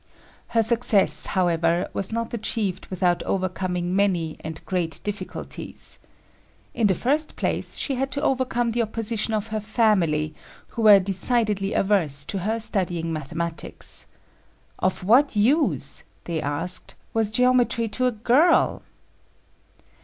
Her success, however, was not achieved without overcoming many and great difficulties. In the first place, she had to overcome the opposition of her family, who were decidedly averse to her studying mathematics. "Of what use," they asked, "was geometry to a girl?"